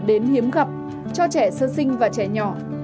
đến hiếm gặp cho trẻ sơ sinh và trẻ nhỏ